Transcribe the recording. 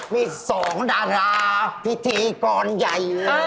มี๒ดาราพิธีกรใหญ่เลย